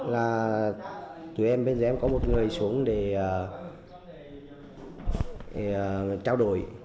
là tụi em bên dưới em có một người xuống để trao đổi